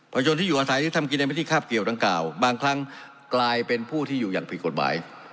ชนที่อยู่อาศัยที่ทำกินในพื้นที่คาบเกี่ยวดังกล่าวบางครั้งกลายเป็นผู้ที่อยู่อย่างผิดกฎหมาย